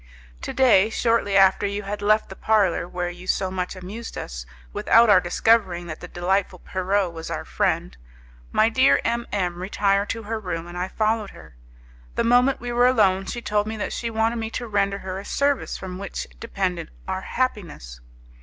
To day, shortly after you had left the parlour, where you so much amused us, without our discovering that the delightful Pierrot was our friend, my dear M M retired to her room and I followed her. The moment we were alone she told me that she wanted me to render her a service from which depended our happiness.